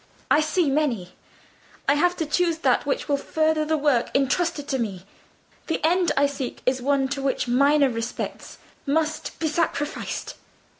I see many. I have to choose that which will further the work intrusted to me. The end I seek is one to which minor respects must be sacrificed.